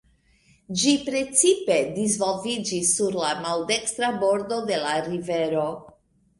Ĝi precipe disvolviĝis sur la maldekstra bordo de la rivero.